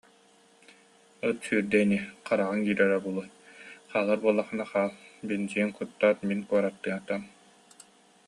Ыт сүүрдэ ини, хараҕыҥ иирэрэ буолуо, хаалар буоллаххына хаал, бензин куттаат, мин куораттаатым